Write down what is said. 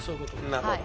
なるほど。